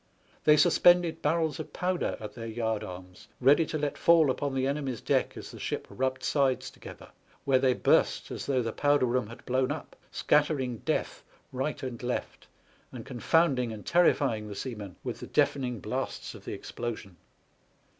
They sus pended barrels of powder at their yard arms, ready to let fall upon the enemy's deck as the ship rubbed sides together, where they burst as though the powder room had blown up, scattering death right and left, and con founding and terrifying the seamen with the deafening blasts of the explosion.